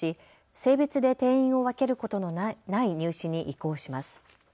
性別で定員を分けることのない入試に移行します。